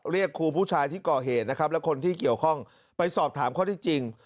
เรียกครูผู้ชายที่ก่อเหตุนะครับและคนที่เกี่ยวข้องไปสอบถามข้อที่จริง